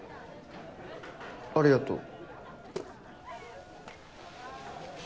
ありがとう。